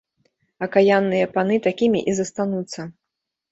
Акаянныя паны такімі і застануцца.